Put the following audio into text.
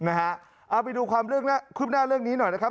เอาไปดูความคืบหน้าเรื่องนี้หน่อยนะครับ